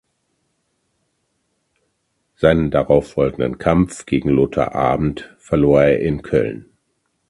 Seinen darauffolgenden Kampf gegen Lothar Abend verlor er in Köln.